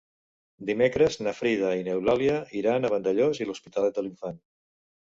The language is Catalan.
Dimecres na Frida i n'Eulàlia iran a Vandellòs i l'Hospitalet de l'Infant.